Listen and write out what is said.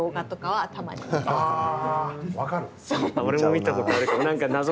俺も見たことあるかも。